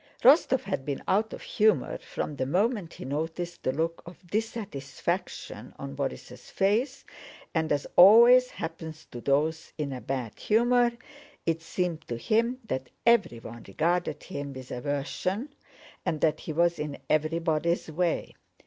Rostóv had been out of humor from the moment he noticed the look of dissatisfaction on Borís' face, and as always happens to those in a bad humor, it seemed to him that everyone regarded him with aversion and that he was in everybody's way.